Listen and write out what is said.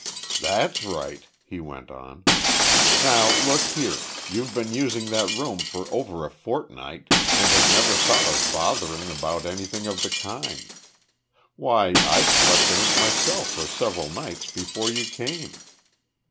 "That's right," he went on. "Now, look here, you've been using that room for over a fortnight, and have never thought of bothering about anything of the kind. Why I slept in it myself for several nights before you came."